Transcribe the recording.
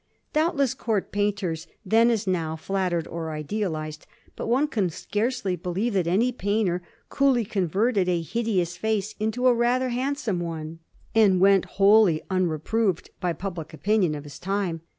Doubtless, Court painters then, as now, flattered or idealized, but one can scarcely believe that any painter coolly converted a hideous face into a rather handsome one and went wholly unreproved by pub lic opinion of his time.